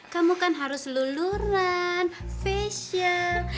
kamu kan harus luluran facial